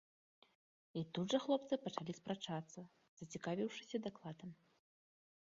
І тут жа хлопцы пачалі спрачацца, зацікавіўшыся дакладам.